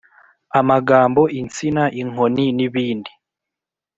Amagambo insina, inkoni nibindi